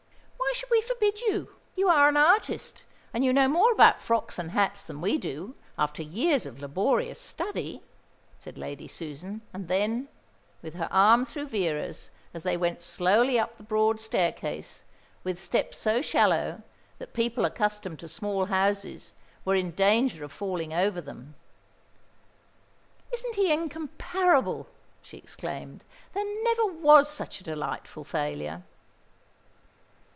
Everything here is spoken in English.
"Why should we forbid you? You are an artist, and you know more about frocks and hats than we do, after years of laborious study," said Lady Susan, and then, with her arm through Vera's as they went slowly up the broad staircase, with steps so shallow that people accustomed to small houses were in danger of falling over them, "Isn't he incomparable?" she exclaimed. "There never was such a delightful failure."